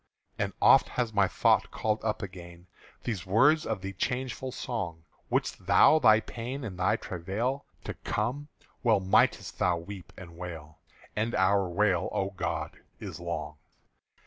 _" And oft has my thought called up again These words of the changeful song: "Wist thou thy pain and thy travàil To come, well might'st thou weep and wail!" And our wail, O God! is long.